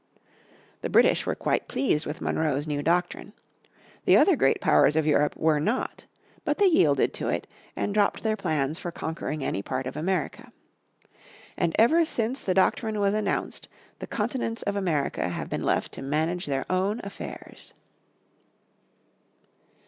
The British were quite pleased with Monroe's new doctrine. The other great powers of Europe were not. But they yielded to it and dropped their plans for conquering any part of America. And ever since the doctrine was announced the Continents of America have been left to manage their own affairs.